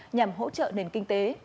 nhằm hỗ trợ nền kinh tế